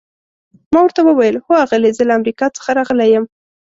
ما ورته وویل: هو آغلې، زه له امریکا څخه راغلی یم.